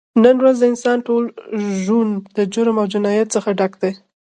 نن ورځ د انسان ټول ژون د جرم او جنایت څخه ډک دی